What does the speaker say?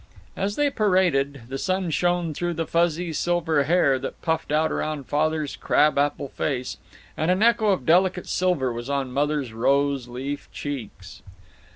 As they paraded, the sun shone through the fuzzy, silver hair that puffed out round Father's crab apple face, and an echo of delicate silver was on Mother's rose leaf cheeks.